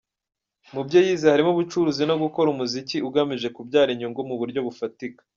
Mu byo yize harimo ubucuruzi no gukora umuziki ugamije kubyara inyungu mu buryo bufatika.